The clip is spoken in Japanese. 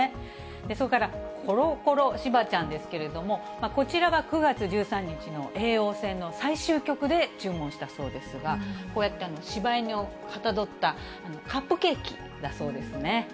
それから、コロコロしばちゃんですけれども、こちらは９月１３日の叡王戦の最終局で注文したそうですが、こうやってしば犬をかたどったカップケーキだそうですね。